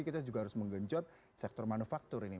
kita juga harus menggenjot sektor manufaktur ini